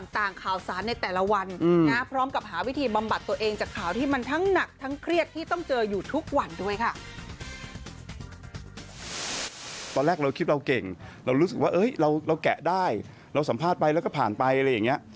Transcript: ตอนแรกเราคิดเราเก่งเรารู้สึกว่าเราแกะได้เราสัมภาษณ์ไปแล้วก็ผ่านไปอะไรอย่างนี้